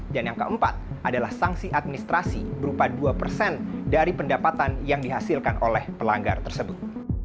dan yang keempat adalah sanksi administrasi berupa dua dari pendapatan yang dihasilkan oleh pelanggar tersebut